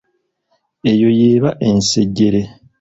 Eyo yeba ensejjere.